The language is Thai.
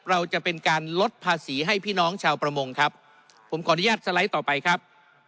เราจะเป็นการลดภาษีให้พี่น้องชาวประมงครับผมขออนุญาตสไลด์ต่อไปครับ